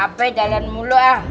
gapai jalan mulu ah